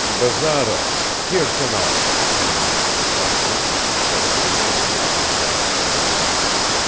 "Bazarov, Kirsanov," he announced abruptly, successfully imitating Bazarov's manner.